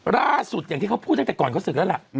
อย่างที่เขาพูดตั้งแต่ก่อนเขาศึกแล้วล่ะ